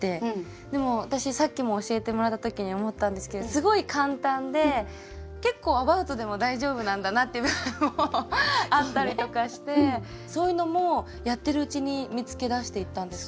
でも私さっきも教えてもらった時に思ったんですけどすごい簡単で結構アバウトでも大丈夫なんだなって部分もあったりとかしてそういうのもやってるうちに見つけ出していったんですか？